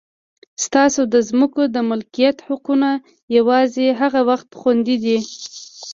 ستاسو د ځمکو د مالکیت حقونه یوازې هغه وخت خوندي دي.